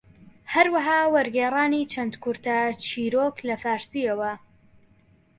هەروەها وەرگێڕانی چەند کورتە چیرۆک لە فارسییەوە